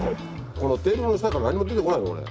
このテーブルの下から何も出てこないのこれ。